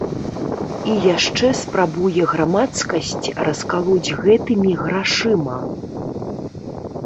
І яшчэ спрабуе грамадскасць раскалоць гэтымі грашыма.